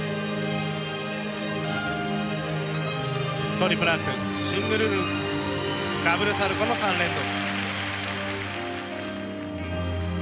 トリプルアクセルシングルループダブルサルコーの３連続。